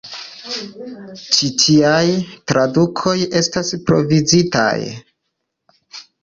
Ĉi tial, tradukoj estas provizitaj.